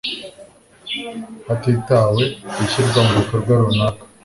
hatitawe ku ishyirwa mu bikorwa runaka